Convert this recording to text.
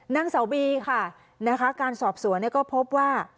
นางเสาบีค่ะนะคะการสอบสวนก็พบว่า